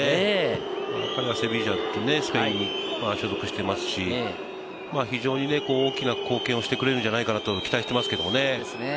彼はセビージャで所属していますし、非常に大きな貢献をしてくれるんじゃないかなと期待しています。